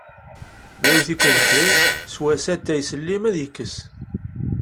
Ma yewwet-ik ubeḥri sew-as atay s llim ad k-yekkes!